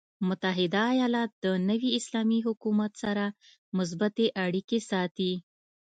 متحده ایالات د نوي اسلامي حکومت سره مثبتې اړیکې ساتي.